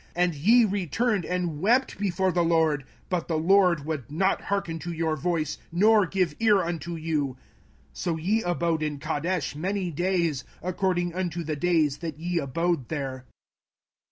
05:001:045 And ye returned and wept before the LORD; but the LORD would not hearken to your voice, nor give ear unto you. 05:001:046 So ye abode in Kadesh many days, according unto the days that ye abode there.